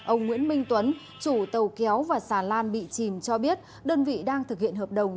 ông nguyễn minh tuấn chủ tàu kéo và xà lan bị chìm cho biết đơn vị đang thực hiện hợp đồng